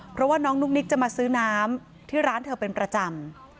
เพราะว่าน้องนุ๊กนิกจะมาซื้อน้ำที่ร้านเธอเป็นประจำ